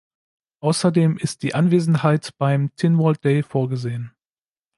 Außerdem ist die Anwesenheit beim Tynwald Day vorgesehen.